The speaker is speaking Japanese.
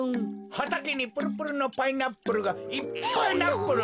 はたけにプルプルのパイナップルがいっパイナップル。